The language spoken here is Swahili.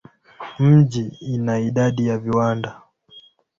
Mji ina idadi ya viwanda.